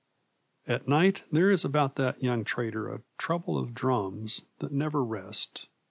At night there is about that young trader a trouble of drums that never rest.